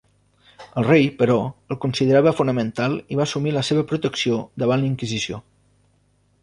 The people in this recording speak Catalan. El rei, però, el considerava fonamental i va assumir la seva protecció davant la Inquisició.